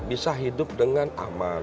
bisa hidup dengan aman